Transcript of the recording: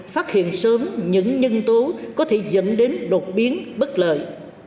phát hiện sớm những nhân tố có thể dẫn đến đột biến bất lợi